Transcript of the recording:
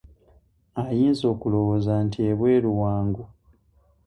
Ayinza okulowooza nti ebweru wangu.